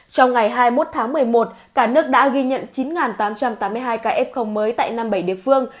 trong ngày hai mươi một tháng một mươi một cả nước đã ghi nhận chín tám trăm tám mươi hai ca f mới tại năm mươi bảy địa phương